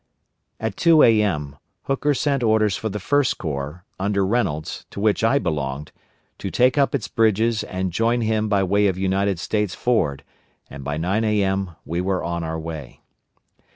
At 2 A.M., Hooker sent orders for the First Corps, under Reynolds, to which I belonged, to take up its bridges and join him by way of United States Ford, and by 9 A.M. we were on our way.